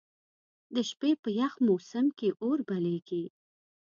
د شپې په یخ موسم کې اور بليږي.